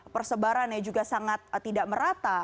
persebarannya juga sangat tidak merata